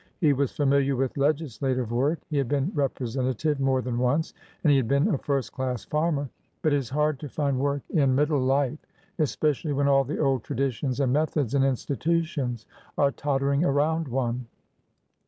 He was familiar with legislative work; he had been representative more than once, and he had been a first class farmer. But it is hard to find work in mid ^^THE OLD ORDER CHANGETH" 361 die life, especially when all the old traditions and methods and institutions are tottering around one.